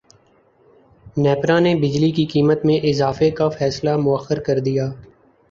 نیپرا نے بجلی کی قیمت میں اضافے کا فیصلہ موخر کردیا